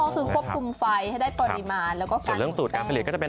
อ๋อคือควบคุมไฟให้ได้ปริมาณแล้วก็การหมุนแป้ง